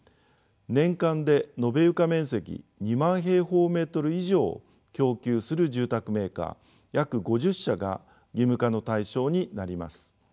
年間で延べ床面積２万平方メートル以上を供給する住宅メーカー約５０社が義務化の対象になります。